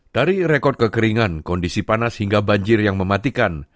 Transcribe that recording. dari rekod kekeringan kondisi panas hingga banjir yang mematikan